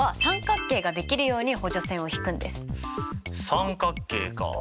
三角形か。